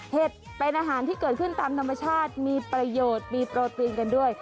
เห็ดเป็นอาหารที่เกิดขึ้นตามธรรมชาติมีประโยชน์มีโปรตีนกันด้วย